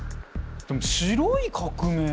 でも「白い革命」